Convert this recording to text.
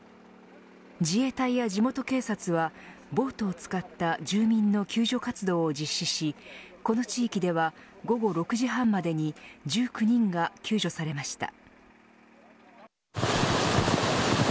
自衛隊や地元警察はボートを使った住民の救助活動を実施しこの地域では午後６時半までに１９人が救助されました。